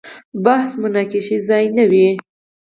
بحث مناقشې ځای نه وي.